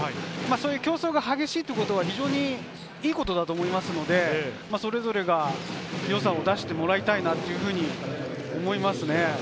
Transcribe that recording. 競争が激しいのは非常にいいことだと思いますので、それぞれが良さを出してもらいたいなというふうに思いますね。